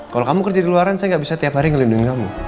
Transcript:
kalau kamu kerja di luaran saya gak bisa tiap hari ngelindungi kamu